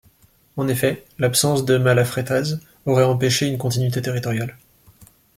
En effet, l'absence de Malafretaz aurait empêché une continuité territoriale.